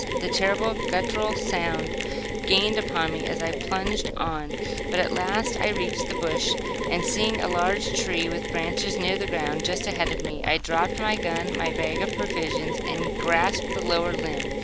The terrible, guttural sound gained upon me as I plunged on, but at last I reached the bush, and, seeing a large tree with branches near the ground, just ahead of me, I dropped my gun and bag of provisions, and grasped the lower limb.